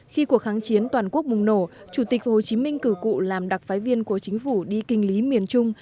khi cuộc kháng chiến toàn quốc bùng nổ chủ tịch hồ chí minh cử cụ làm đặc phái viên của chính phủ đi kinh lý miền trung